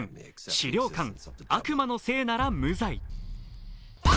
「死霊館悪魔のせいなら、無罪」。